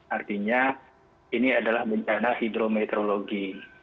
artinya ini adalah bencana hidrometeorologi